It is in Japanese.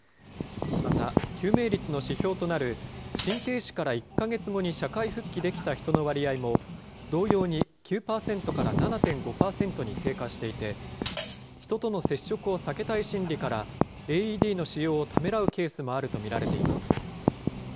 また、救命率の指標となる心停止から１か月後に社会復帰できた人の割合も、同様に９％から７．５％に低下していて、人との接触を避けたい心理からＡＥＤの使用をためらうケースもあると見られています。